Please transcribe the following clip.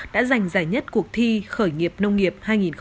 đã giành giải nhất cuộc thi khởi nghiệp nông nghiệp hai nghìn một mươi năm